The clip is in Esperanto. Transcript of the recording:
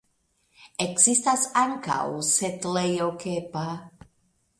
Ekzistas ankaŭ setlejo Kepa.